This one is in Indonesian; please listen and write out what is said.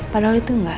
padahal itu enggak